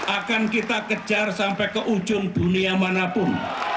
akan kita kejar sampai ke ujung dunia manapun